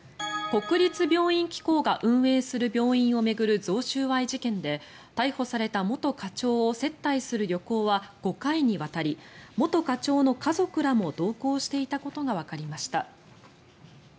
国立病院機構が運営する病院を巡る贈収賄事件で逮捕された元課長を接待する旅行は５回にわたり元課長の家族らも同行していたことがわかりました。